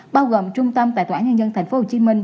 bao gồm trung tâm tại tòa án nhân dân tp hcm